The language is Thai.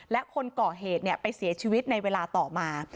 และคนก่อเหตุไปเสียชีวิตในเวลาต่อมา